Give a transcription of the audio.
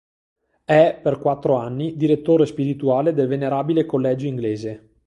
È, per quattro anni, direttore spirituale del Venerabile Collegio Inglese.